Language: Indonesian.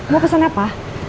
mau pesen apa